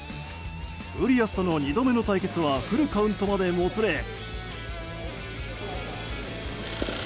ウリアスとの２度目の対決はフルカウントまでもつれ。